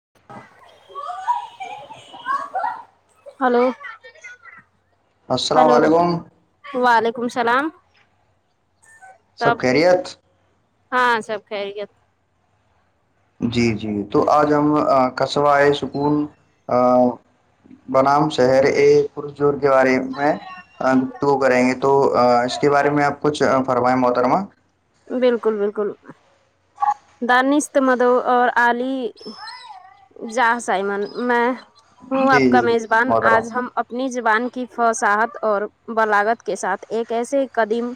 [unintelligible] hello السلام hello علیکم وعلیکم اللام سب کہریت ہاں سب خریی [unintelligible] جی جی تو آج ہم قصبہ آئے سکون بنام شہر ا پ جوور کے بارے میں وہ کریں گے تو اس کے بارے میں آپ کچھ فرمائیں محترمہ بالکل بالکل دانست مدو اور آلی جا سائمن میں ہوں آپ جی کا جی میزبان محترمہ آج ہم اپنی زبان کی فصاحت اور بلاگت کے ساتھ ایک ایسے قدیم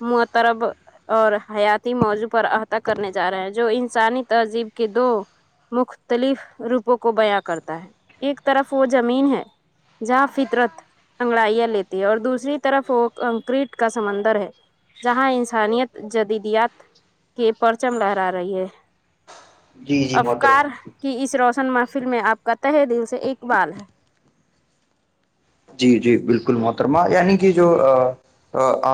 م طرب اور حیاتی موضوع پر احطا کرنے جا رہے ہیں جو انسانی تہذیب کے دو مختلف روپوں کو بیاں کرتا ہے ایک طرف وہ زمین ہے جہاں فطرت انگڑائیاں لیتی ہے اور دوسری طرف وہ کنکریٹ کا سمندر ہے جہاں انسانیت جدیدیات کے پرچم لہرا رہی ہے جی جی افکار محترمہ کی اس روشن محفل میں آپ کا تہ دل سے اقبال ہے جی جی بالکل محترمہ یعنی کہ جو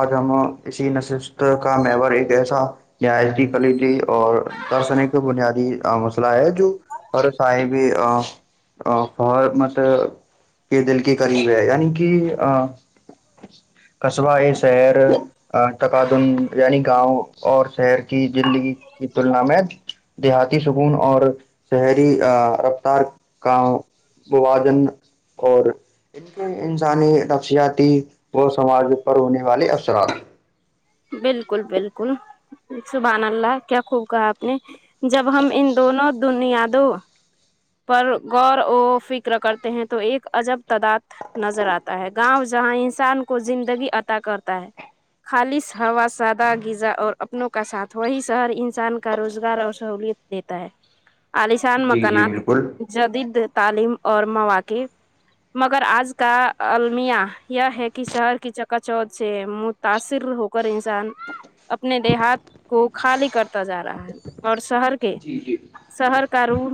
آج ہم اسی نشست کا میور ایک ایسا [unintelligible] اور درسنے کا بنیادی مسئلہ ہے جو صحب بھی فر مت کے دل کی قریب ہے یعنی کہ قصبہ یہ شہر تکادن یعنی گاؤں اور شہر کی زندگی کی تلنا میں دیہاتی سکون اور شہری رفتار کا وواجن اور ان کے انسانی نفسیاتی و سماج پر ہونے والے افثرات بالکل بالکل سبحان اللہ کیا خوب کہا آپ نے جب ہم ان دونوں دنیا دوں پر غور و فکر کرتے ہیں تو ایک عجب تداد نظر آتا ہے گاؤں جہاں انسان کو زندگی عطا کرتا ہے خالص ہوا سادہ غذا اور اپنوں کا ساتھ وہی شہر انسان کا روزگار اور سہوولت دیتا ہے ج عالیشان مکانات جدید تعلیم اور مواقع مگر آج کا المیہ یہ ہے کہ شہر کی چکا چوت سے تاثر ہو کر انسان اپنے دیہات کو خالی کرتا ہو جا رہا ہے اور شہر کے جی جی شہر کا رور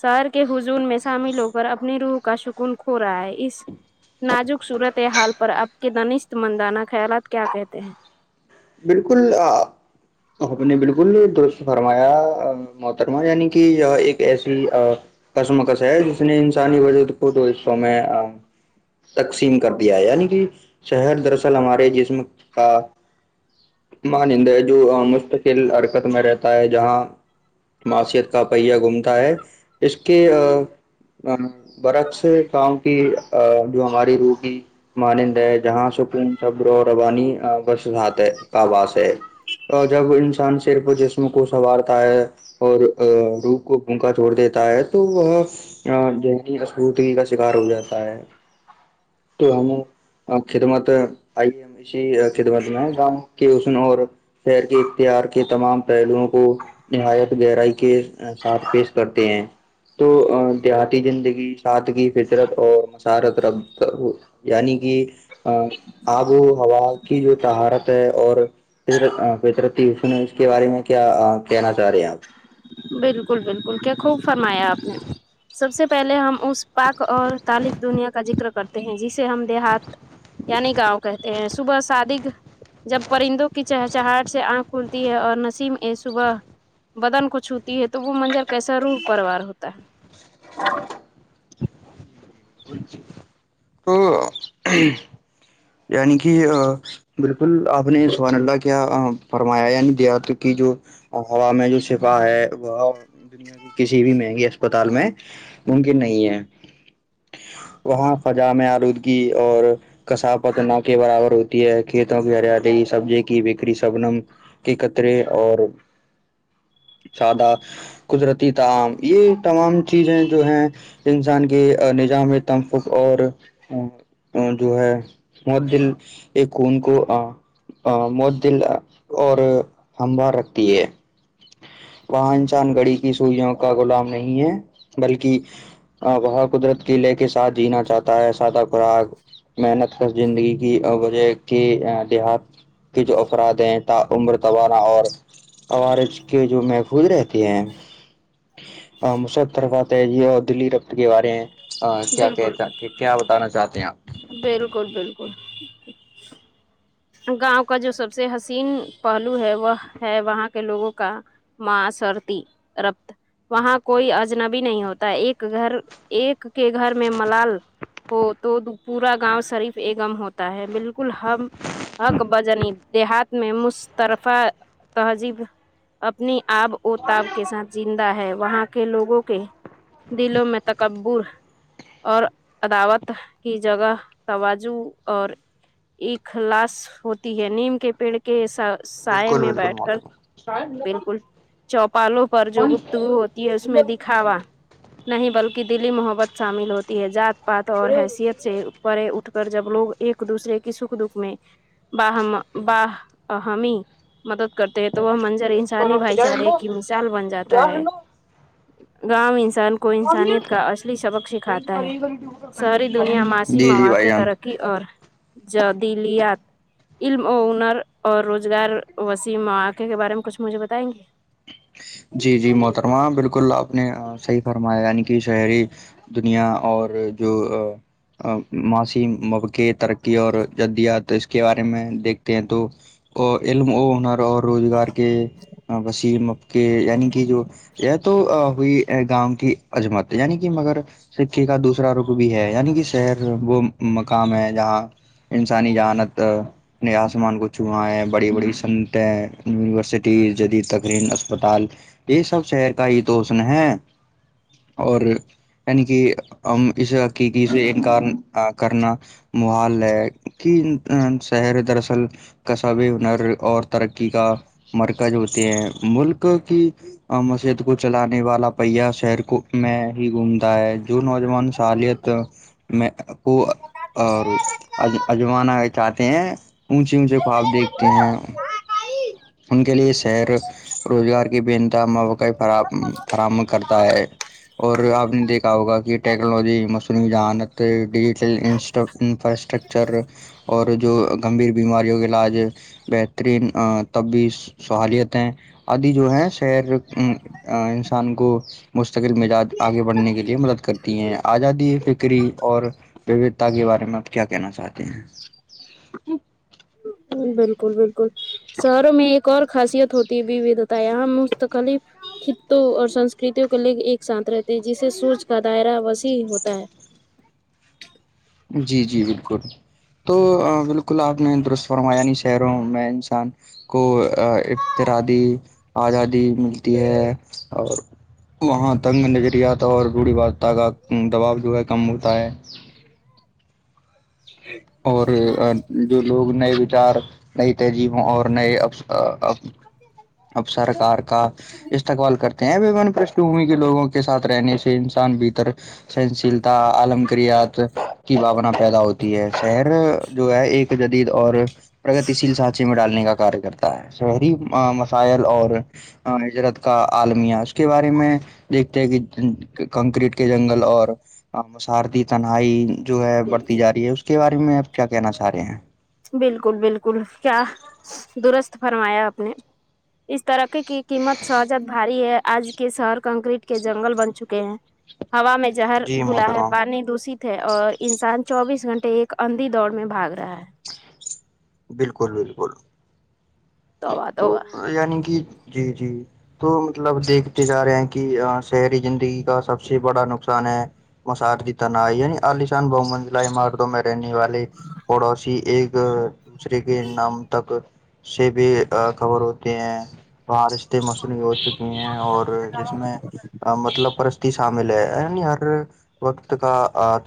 شہر کے ہجون میں شامل ہو کر اپنی روح کا سکون کھو رہا ہے اس نازک صورت حال پر آپ کے دنشت مندانہ خیالات کیا کہتے ہیں بالکل اب نے بالکل درست فرمایا محترما یعنی کہ ایک ایسی کسم کس ہے جس نے انسانی وجہ کو تو اسو میں تقسیم کر دیا ہے یعنی کہ شہر دراصل ہمارے جسم کا مانند ہے جو مستقل حرکت میں رہتا ہے جہاں معیشت کا پہیہ گھومتا ہے اس کے بر اچھے کاؤ کی جو ہماری روگی مانند ہے جہاں سکون صبر اور ربانی بسات کاباس ہے اور جب انسان صرف جسم کو سنوارتا ہے اور روپ کو بونکا چھوڑ دیتا ہے تو وہ ذہنی اسبوتری کا شکار ہو جاتا ہے تو ہم خدمت آئیے ہم اسی خدمت میں گاؤں کے اسن اور شیر کے اختیار کے تمام پہلوؤں کو نہایت گہرائی کے ساتھ پیش کرتے ہیں تو دیہاتی زندگی سادگی فطرت اور مسارت یعنی کہ آب و ہوا کی جو طہارت اورر پرن اس کے بارے میں کیا کہنا چاہ رہے ہیں آپ بالکل بالکل کیا خوب فرمایا آپ نے سب سے پہلے ہم اس پاک اور تالف دنیا کا ذکر کرتے ہیں جسے ہم دیہات یعنی گاؤں کہتے ہیں صبح شادی جب پرندوں کی چہچہٹ سے آنکھ کھلتی ہے اور نسیم صبح بدن کچھ ہوتی ہے تو وہ منزر کیسا روح پروار ہوتا ہے [inaudible] [inaudible] یع کہ ا بالکل آپ نے سحان اللہ کیا فرمایا یا نہیں دیا تو کہ جو اور ہوا میں جو شپا ہے وہ دنیا کی کسی بھی مہنگے اسپتال میں ممکن نہیں ہے وہاں فضا آلودگی اور کساب پت نہ کے برابر ہوتی ہے کھیتوں کی ہریالی سبزی کی بکری سبنم کے قطرے اور سادہ قدرتی تعام یہ تمام چیزیں جو ہیں انسان کے نظام میں تمفق اور جو ہے بہت دل ایک خون کو مت دل اور ہموار رکھتی ہے وہاں انسان گھڑی کی سوئیوں کا غلام نہیں ہے بلکہ ہ وہاں قدرت کیلے کے ساتھ جینا چاہتا ہے سادہ خوراک محنت زندگی کی وجہ کے دیہات کچ افراد ہیں ت عمر توبانا اور اورار ایچ کے جو محفوظ رہتے ہیں مسرفات ہے یہ دلی ربت کے وارے ہیں ہ ہے کیا بالکل کہ کیا بتانا چاہتے ہیں آپ بالکل بالکل گاؤں کا جو سب سے حسین پہلو ہے وہ ہے وہاں کے لوگوں کا ما سرتی ربط وہاں کوئی اجنبی نہیں ہوتا ایک گھر ایک کے گھر میں ملال ہو تو پورا گاؤں صرف ای گم ہوتا ہے بالکل ہم ہک بجنی دیہات میں مسترفہ تہذیب اپنی آب اور تاب کے ساتھ زندہ ہے وہاں کے لوگوں کو کے دلوں میں تکبر اور اداوت کی جگہ توجو اور ایک ک لاش ہوتی ہے نیم کے پیڑ کے ایسا سائے بالکل میں بالکل بیٹھ کر محترم بالکل چوپالوں پر جو گپتگو ہوتی ہے اس میں دکھاوا نہیں بلکہ دلی محبت شامل ہوتی ہے جذات پات اور حیثیت سے پڑے اٹھ کر جب لوگ ایک دوسرے کی سکھ دکھ میں باہ باہ اہمی مدد کرتے ہیں تو وہ منظر انسانی بھائی چارے کی مثال بن جاتا ہے گاؤں انسان کو انسانیت کا اصلی سبق سکھاتا ہے شہری دنیا معاشی جی جی بھائی مواق جان ترقی اور جدیلیات علم و ہنر اور روزگار وسیع مواقع کے بارے میں کچھ مجھے بتائیں گے جی جی محترمہ بالکل آپ نے صحیح فرمایا یعنی کہ شہری دنیا اور جو معاشی مواقع ترقی اور جدیات اس کے بارے میں دیکھتے ہیں تو اور علم او ہنر اور روزگار کے وسی کہ یعنی کہ جو یہ تو ہوئی گاؤں کی عجمت یعنی کہ مگر سکے کا دوسرا رخ بھی ہے یعنی کہ شہر وہ مقام ہے جہاں انسانی جانت ن آسمان کو چو ہے بڑی بڑی سنتیں یونیورسٹی جدید تقرین اسپتال یہ سب شہر کا ہی توشن ہے اور یعنی کہ ہم اس حقیقی سے انکار کرنا محال ہے کہ شہر دراصل کصاب ہنر اور ترقی کا مرکز ہوتے ہیں ملک کی مسد کو چلانے والا پہیہ شہر میں ہی گھومتا ہے جو نوجوان سالت میں کو اور اجوانا چاہتے ہیں اونچے اونچے خو آاب دیکھتے ہیں ان کے لیے شہر روزگار کی بنت مواقع فراہ فراہم کرتا ہے اور آپ نے دیکھا ہوگا کہ ٹیکنالوجی مصنوعی جہانت ڈیجیٹلٹ انفراسٹرکچر اور جو گمبھیر بیماریوں کے علاج بہترین تب بھی سہالتیں آدی جو ہیں شیر انسان کو مستقل مزج آگے بڑھنے کے لیے مدد کرتی ہیں آزادی فکری اور و کے بارے میں آپ کیا کہنا چاہتے ہیں بالکل بالکل شہروں میں ایک اور خاصیت ہوتی ہے ووھتا یہاں مستقل خطوں اور سنسکرتیوں کے لگ ایک ساتھ رہتے جسے سورج کا دائرہ وسیعح ہوتا ہے جی جی بالکل تو بالکل آپ نے درست فرماع شہروں میں انسان کو ابترادی آزادی ملتی ہے اور وہاں تنگ نظریات اور بوڑھی بادتا کا دباؤ جو ہے کم ہوتا ہے اور جو لوگ نئے وچار نئی تہذیبوں اور نئے اب سرکار کا استقبال کرتے ہیں وان پشٹھ بھمی کے لوگوں کے ساتھ رہنے سے انسان بھیتر سہنشیلتا عالمکریات کی بھانا پیدا ہوتی تی ہے شہر جو ہے ایک جدید اور پرگتیشیل سانچے میں ڈالنے کا کاریہ کرتا ہے شہری مسائل اور ہجرت کا عالمیہ اس کے بارے میں دیکھتے ہیں کہ کنکریٹ کے جنگل اور مسارتی تنہائی جو ہے بڑھتی جا رہی ہے اس کے بارے میں آپ کیا کہنا چاہ رہے ہیں بالکل بالکل کیا درست فرمایا آپ نے اس ترقی کی قیمت سجت بھاری ہے آج کے شہر کنکریٹ کے جنگل بن چکے ہیں ہا میں جہر جی گھلا ہے محترم پانی دوشت ہے اور انسان چوبیس گھنٹے ایک اندھی دوڑ میں بھاگ رہا ہے بالکل بالکل توبہ تو توبہ یعنی کہ جی جی تو مطلب دیکھتے جا رہے ہیں کہ شہری زندگی کا سب سے بڑا نقصان ہے مسا تن یعنی عالشان بہ منزلا عمارتوں میں رہنے والے پڑوسی ایک دوسرے کے نام تک سے بھی خبر ہوتے ہیں بارش سےیں موصو ہو چکی ہیں اور جس میں مطلب پرستی شامل ہے یعنی ہر وقت کا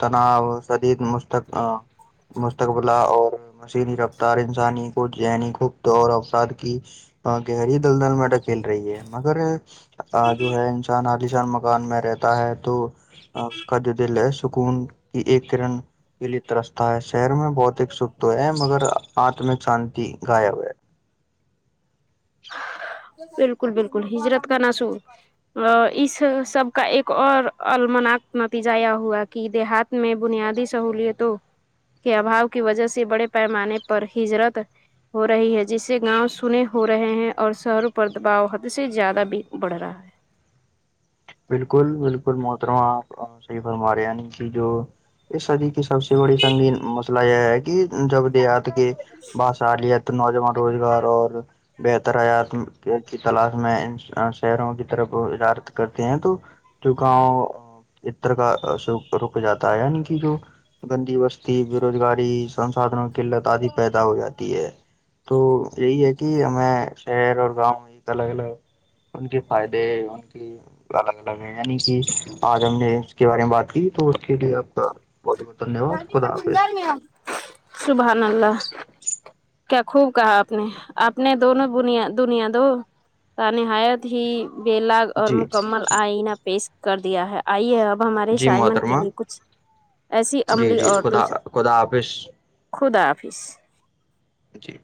تناؤ شدید مق مستقبل اور مشینی ر انسانی کو جین گپت اور افساد کی گہری دلدل میں رک کھیل رہی ہے مگر جو ہے انسان حالیشان مکان میں رہتا ہے تو ہکھاد د ل سکون کہ ایک کرن کے لیے ترستا ہے شہر میں بہت اسک تو ہے مگر آتمک شانتی گایا ہویا بالکل بالکل ہجرت کا ن سو اس سب کا ایک اور المناک نتیجہ یہ ہوا کہ دیہات میں بنیادی سہلیتوں کے اباؤ کی وجہ سے بڑے پیمانے پر ہجرت ہو رہی ہے جسے گاؤں سنے ہو رہے ہیں اور شہروں پر دباؤ حد سے زیادہ بھی بڑھ رہا ہے بالکل بالکل محترماں آپ صحی فرما رہے ی کہ جو اس سدی کی سب سے بڑی سنگین مسئلہ یہ ہے کہ جب دیہات کے با چالیت نوجوان روزگار اور بہتر حیات کی تلاش میں شہروں کی طرف اجارت کر ہیں تو جو گاؤ اس طر کا رک جاتا ہے یع کی جو گندی بستی بے روزگاری سسادھنوں کی قلت آدھی پیدا ہو جاتی ہے تو یہی ہے کہ ہمیں شہر اور گاؤں ایک الگ الگ ان کے فائدے ان کی [unintelligible] الگ الگ ہے یعنی کہ آج ہم نے اس کے بارے میں بات کی تو اس کے لیے آپ کا بہت بہت دنیہ واد خدا حفیظ شبحان اللہ کیا خوب کہا آپ نے آپ نے دونوں دنیا دنیا دو ت نہایت ہی بےلاگ اور جی مکمل آئینہ پیش کر دیا ہے آئی ہے اب ہمارے جی شائمن کے محترمہ لیے کچھ ایسی جی عملی جی اور خدا دوسری خدا آافظ خدا حافظ جی